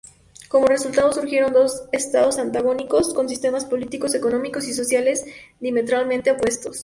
Como resultado, surgieron dos estados antagónicos, con sistemas políticos, económicos y sociales diametralmente opuestos.